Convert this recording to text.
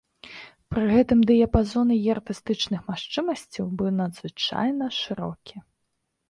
Пры гэтым, дыяпазон яе артыстычных магчымасцяў быў незвычайна шырокі.